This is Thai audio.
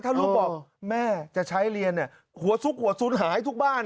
ถ้าลูกบอกแม่จะใช้เรียนหัวซุกหัวสุนหายทุกบ้าน